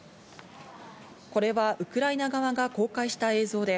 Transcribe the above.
これはウクライナ側が公開した映像で、